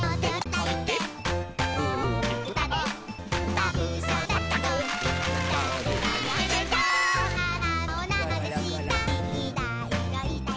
「いないいないいない」